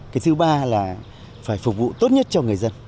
cái thứ ba là phải phục vụ tốt nhất cho người dân